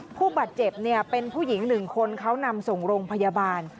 ผู้บาดเจ็บเป็นผู้หญิง๑คนเขานำส่งโรงพยาบาล